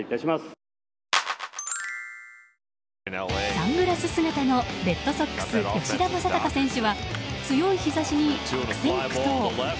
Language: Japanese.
サングラス姿のレッドソックス、吉田正尚選手は強い日差しに悪戦苦闘。